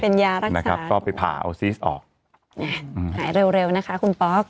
เป็นยารักษานะครับก็ไปผ่าเอาซีสออกหายเร็วนะคะคุณป๊อก